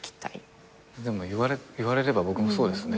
でも言われれば僕もそうですね